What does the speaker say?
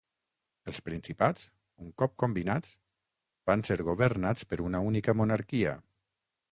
Els Principats, un cop combinats, van ser governats per una única monarquia.